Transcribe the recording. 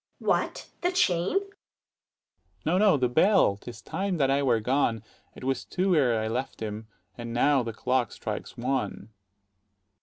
Adr. What, the chain? Dro. S. No, no, the bell: 'tis time that I were gone: It was two ere I left him, and now the clock strikes one.